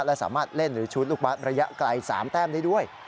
และสามารถเล่นหรือชุดลูกบาทระยะไกล๓แต้มได้ด้วย